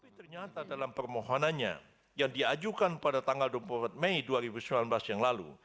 tapi ternyata dalam permohonannya yang diajukan pada tanggal dua puluh empat mei dua ribu sembilan belas yang lalu